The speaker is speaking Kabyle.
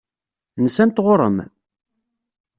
Nsant ɣur-m?